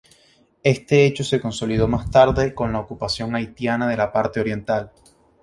Este hecho se consolidó más tarde con la ocupación haitiana de la parte oriental.